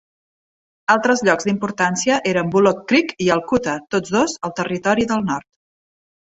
Altres llocs d'importància eren Bullock Creek i Alcoota, tots dos al Territori del Nord.